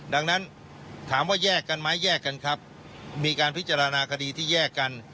ดังนั้นถามว่าแยกกันไหมแยกกันครับมีการพิจารณาคดีที่แยกกัน